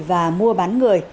và mua bán người